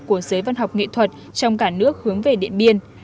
của giới văn học nghệ thuật trong cả nước hướng về điện biên